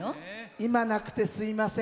今なくてすいません。